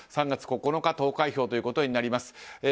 ３月９日投開票ということになります。